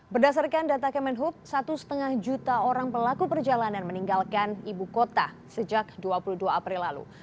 berdasarkan data kemenhub satu lima juta orang pelaku perjalanan meninggalkan ibu kota sejak dua puluh dua april lalu